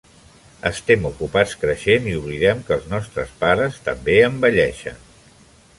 Estem ocupats creixent i oblidem que els nostres pares també envelleixen.